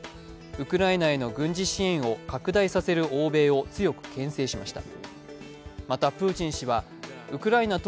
ウクライナへの軍事支援を拡大させる欧米を強くけん制しました。